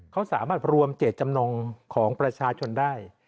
เขาสามารถรวมเจตจำนงของประชาชนได้